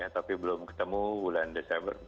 tapi belum ketemu bulan desember